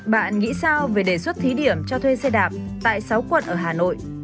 bạn nghĩ sao về đề xuất thí điểm cho thuê xe đạp tại sáu quận ở hà nội